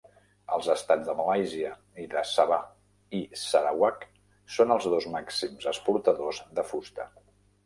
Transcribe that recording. Els estats de Malàisia de Sabah i Sarawak són els dos màxims exportadors de fusta